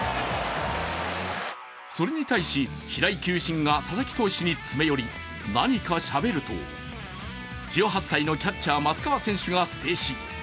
それに対し、白井球審が佐々木投手に詰め寄り、何かしゃべると１８歳のキャッチャー・松川選手が制止。